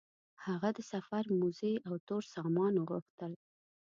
هغه د سفر موزې او تور سامان وغوښتل.